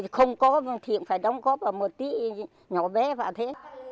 không có thì cũng phải đóng góp ở một tí nhỏ bé vào thế